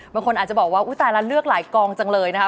บางคนอาจจะบอกว่าอุ๊ยตายแล้วเลือกหลายกองจังเลยนะคะ